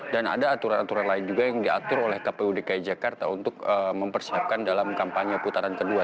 dan ada aturan aturan lain juga yang diatur oleh kpud dki jakarta untuk mempersiapkan dalam kampanye putaran kedua